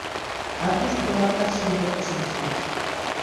А тушто лапка шем пӧрт шинча.